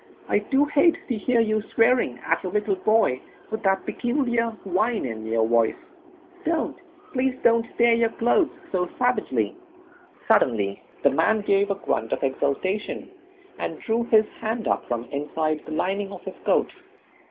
I do hate to hear you swearing at your little boy, with that peculiar whine in your voice. Don't please don't tear your clothes so savagely." Suddenly the man gave a grunt of exultation, and drew his hand up from inside the lining of his coat.